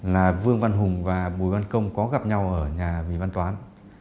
là vương văn hùng và bùi văn công có gặp nhau ở nhà vị văn toán